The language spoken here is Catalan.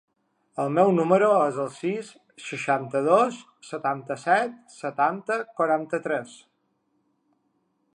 El meu número es el sis, seixanta-dos, setanta-set, setanta, quaranta-tres.